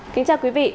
kính chào quý vị